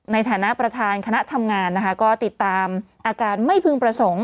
ในฐานะประธานคณะทำงานนะคะก็ติดตามอาการไม่พึงประสงค์